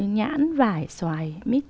nhãn vải xoài mít